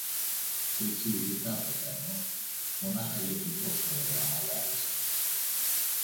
κ’ έτσι γλυκά πεθαίνω, μονάχα γιατί τόσο ωραία μ’ αγάπησες.